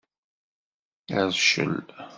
Rcel.